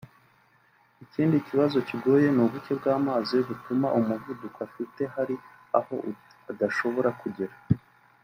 Ikindi kibazo kigoye ni ubucye bw’amazi butuma umuvuduko afite hari aho adashobora kugera